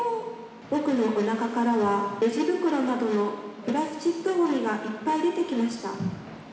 僕のおなかからはレジ袋などのプラスチックごみがいっぱい出てきました。